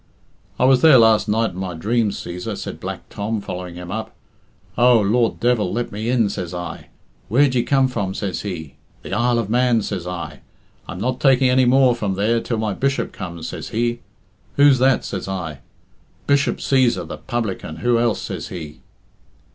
"I was there last night in my dreams, Cæsar," said Black Tom, following him up. "'Oh, Lord Devil, let me in,' says I. 'Where d'ye come from?' says he. 'The Isle of Man,' says I. 'I'm not taking any more from there till my Bishop comes,' says he. 'Who's that?' says I. 'Bishop Cæsar, the publican who else?' says he."